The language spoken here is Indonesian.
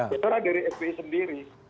terserah dari fpi sendiri